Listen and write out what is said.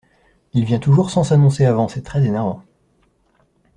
Il vient toujours sans s’annoncer avant, c’est très énervant.